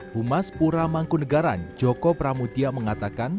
pumas pura mangkunegaran joko pramutia mengatakan